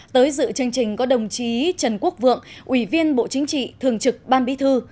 tới dự chương trình có đồng chí trần quốc vượng ủy viên bộ chính trị thường trực ban bí thư